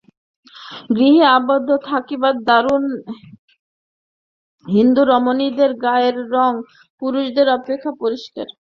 গৃহে আবদ্ধ থাকিবার দরুন হিন্দু রমণীদের গায়ের রঙ পুরুষদের অপেক্ষা পরিষ্কার।